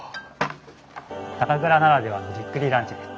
酒蔵ならではのじっくりランチです。